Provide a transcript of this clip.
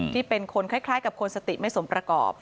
ที่เป็นคนคล้ายกับคนสติไม่สมประกอบ